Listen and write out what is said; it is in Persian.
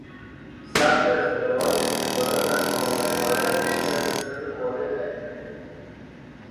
ثبت اختراعات، ابتکارات و نوآوری ها در کشور به صورت واحد در می آید.